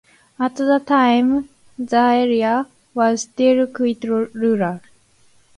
At the time the area was still quite rural.